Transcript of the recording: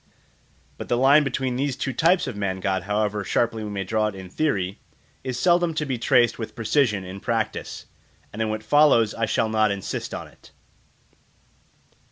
But the line between these two types of man god, however sharply we may draw it in theory, is seldom to be traced with precision in practice, and in what follows I shall not insist on it.